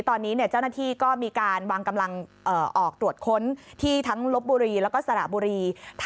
ตอนนี้เจ้าหน้าที่ก็มีการวางกำลังออกตรวจค้นที่ทั้งลบบุรีแล้วก็สระบุรี